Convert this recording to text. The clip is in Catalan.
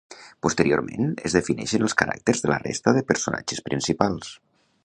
Posteriorment, es defineixen els caràcters de la resta de personatges principals.